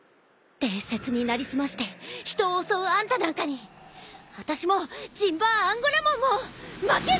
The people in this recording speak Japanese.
伝説に成り済まして人を襲うあんたなんかにあたしもジンバーアンゴラモンも負けない！